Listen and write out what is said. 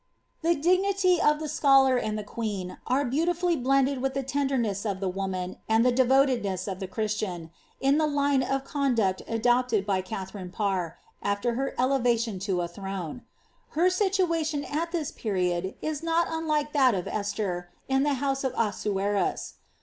^^' The dii^nity of the scholar and the queen are beautifully blei the tenderness of the woman and the devotedness of the Chi the line of conduct adopted by Katharine Parr, after her elevm tlirone. Her situation at this period is not unlike that of }l<\ house of Ahasuerns.